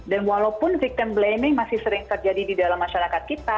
dan walaupun victim blaming masih sering terjadi di dalam masyarakat kita